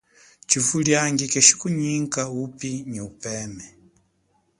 Tshivuliangi keshikunyika wupi nyi upeme.